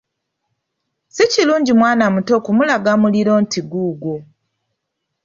Si kirungi mwana muto kumulaga muliro nti guugwo.